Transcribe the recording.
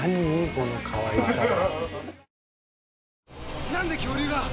このかわいさは。